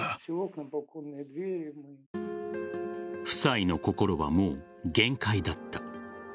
夫妻の心はもう限界だった。